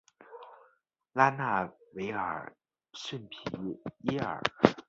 拉纳维尔圣皮耶尔。